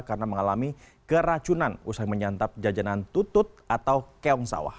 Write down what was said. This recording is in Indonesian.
karena mengalami keracunan usai menyantap jajanan tutut atau keong sawah